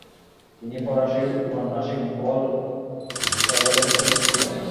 তিনি ফরাসী ঔপন্যাসিক পল ফেভালের সচিব ছিলেন।